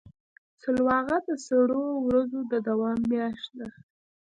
سلواغه د سړو ورځو د دوام میاشت ده.